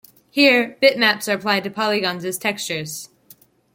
Here, bitmaps are applied to polygons as textures.